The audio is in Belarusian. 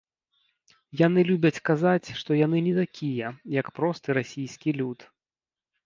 Яны любяць казаць, што яны не такія, як просты расійскі люд.